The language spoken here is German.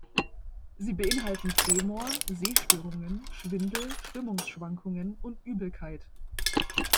Sie beinhalten Tremor, Sehstörungen, Schwindel, Stimmungsschwankungen und Übelkeit.